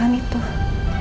aku mau ke panti asuhan